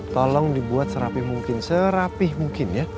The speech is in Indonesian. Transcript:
tolong dibuat serapih mungkin serapih mungkin ya